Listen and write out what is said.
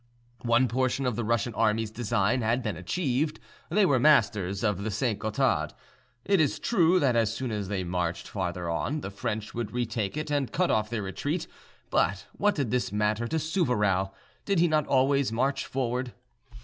One portion of the Russian army's design had been achieved, they were masters of the St. Gothard. It is true that as soon as they marched farther on, the French would retake it and cut off their retreat; but what did this matter to Souvarow? Did he not always march forward?